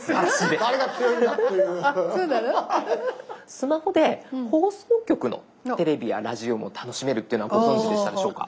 スマホで放送局のテレビやラジオも楽しめるってご存じでしたでしょうか？